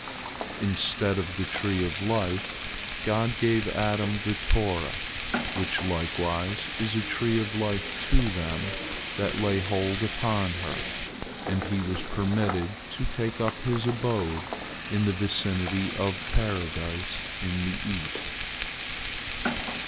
Instead of the tree of life, God gave Adam the Torah, which likewise is a tree of life to them that lay hold upon her, and he was permitted to take up his abode in the vicinity of Paradise in the east.